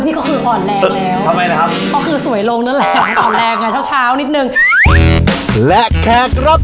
พี่เป๊กสวัสดีครับ